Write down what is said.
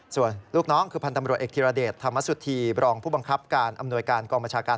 ส่วนลูกน้องคือพันธ์ตำรวจเอกธิรเดชธรรมสุธีบรองผู้บังคับการอำนวยการกองบัญชาการ